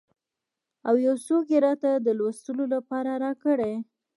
او یو څوک یې راته د لوستلو لپاره راکړي.